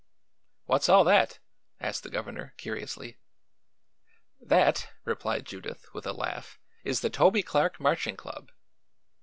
"What's all that?" asked the Governor curiously. "That," replied Judith with a laugh, "is the Toby Clark Marching Club."